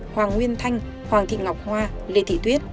hoàng nguyên thanh hoàng thị ngọc hoa lê thị tuyết